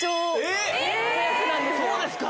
そうですか！